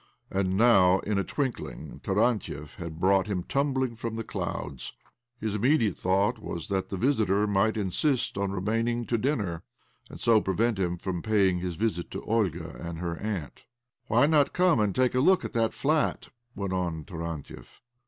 And now, in a twinkling, Tarantiev had brought him tumbling from' the clouds 1 His immediate thought was that the visitor might insist on remaining! to. dinner, and so 195 19б OBLOMOV prevent him from paying his visit to Olga and her aunt. " Why not come and take a look at that flat?" went on Tarantiev.